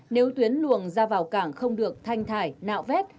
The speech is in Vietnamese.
nếu tuyến luồng ra vào cảng không được thanh thải nạo vét